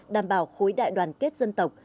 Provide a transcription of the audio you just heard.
đảm bảo khối đại đoàn kết dân tộc